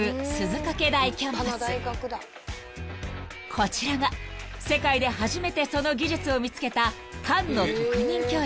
［こちらが世界で初めてその技術を見つけた］